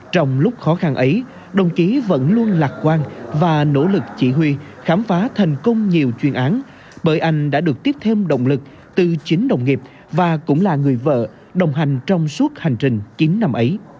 trong lúc khó khăn ấy đồng chí vẫn luôn lạc quan và nỗ lực chỉ huy khám phá thành công nhiều chuyên án bởi anh đã được tiếp thêm động lực từ chính đồng nghiệp và cũng là người vợ đồng hành trong suốt hành trình chín năm ấy